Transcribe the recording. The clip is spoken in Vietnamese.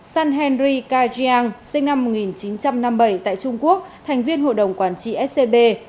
san henry kai jiang sinh năm một nghìn chín trăm năm mươi bảy tại trung quốc thành viên hội đồng quản trị scb